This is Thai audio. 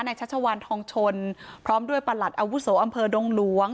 ชัชวานทองชนพร้อมด้วยประหลัดอาวุโสอำเภอดงหลวง